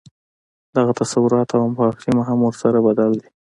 دغه تصورات او مفاهیم هم ورسره بدل دي.